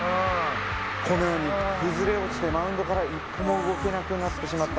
このように崩れ落ちてマウンドから一歩も動けなくなってしまったんです。